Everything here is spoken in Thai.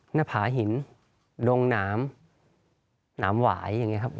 หน้าผาหินดงหนามหนามหวายอย่างนี้ครับ